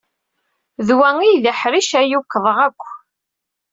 D wa ay d aḥric ay ukḍeɣ akk.